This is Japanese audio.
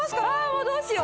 もうどうしよう。